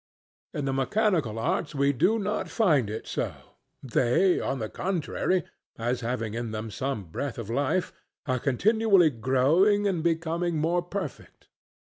In the mechanical arts we do not find it so; they, on the contrary, as having in them some breath of life, are continually growing and becoming more perfect.